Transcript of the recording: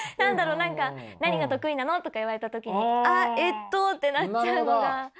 何か何が得意なの？とか言われた時にあえっとってなっちゃうのが。